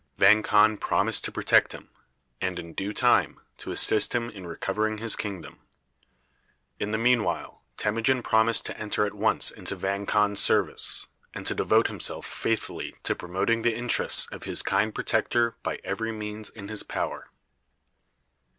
Vang Khan promised to protect him, and, in due time, to assist him in recovering his kingdom. In the mean while Temujin promised to enter at once into Vang Khan's service, and to devote himself faithfully to promoting the interests of his kind protector by every means in his power.